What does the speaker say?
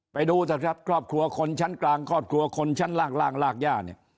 ไปดูเถอะครับครอบครัวคนชั้นกลางครอบครัวคนชั้นล่างลากย่าเนี่ย